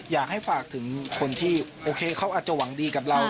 อยากให้ฝากถึงคนที่โอเคเขาอาจจะหวังดีกับเรา